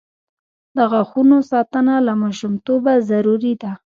د غاښونو ساتنه له ماشومتوبه ضروري ده.